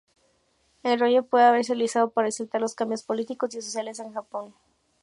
El rollo pudo haberse realizado para resaltar los cambios políticos y sociales en Japón.